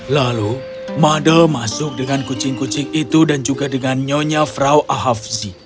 lalu made masuk dengan kucing kucing itu dan juga dengan nyonya frau ahafzi